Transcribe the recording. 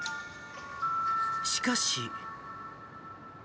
しかし。